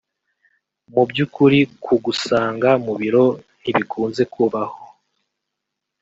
Mu by’ukuri kugusanga mu biro ntibikunze kubaho